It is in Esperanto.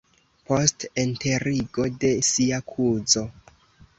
post enterigo de sia kuzo.